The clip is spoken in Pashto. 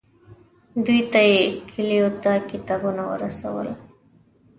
دوی ته یې کلیو ته کتابونه ورسول.